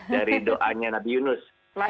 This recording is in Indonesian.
dari doanya nabi yunus